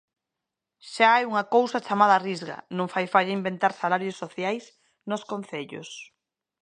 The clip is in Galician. Xa hai unha cousa chamada Risga, non fai falla inventar salarios sociais nos Concellos.